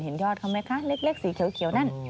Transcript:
เห็นยอดเขาไหมคะเล็กสีเขียวนั่น